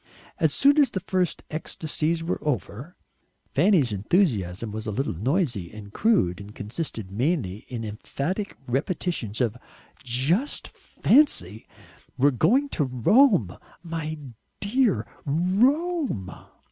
As soon as the first ecstasies were over Fanny's enthusiasm was a little noisy and crude, and consisted mainly in emphatic repetitions of "Just FANCY! we're going to Rome, my dear! Rome!"